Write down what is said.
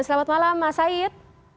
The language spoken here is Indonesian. selamat malam mas said